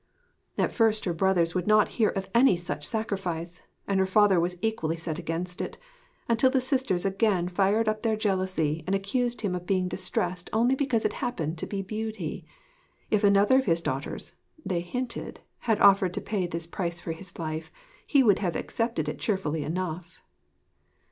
At first her brothers would not hear of any such sacrifice, and her father was equally set against it, until the sisters again fired up in their jealousy and accused him of being distressed only because it happened to be Beauty; if another of his daughters (they hinted) had offered to pay this price for his life, he would have accepted it cheerfully enough!